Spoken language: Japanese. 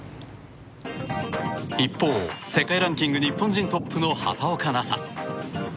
一方、世界ランキング日本人トップの畑岡奈紗。